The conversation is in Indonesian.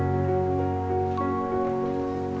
aku masih bercinta sama kamu